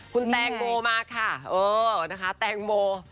คุณแตงโมมาค่ะเออนะคะแตงโม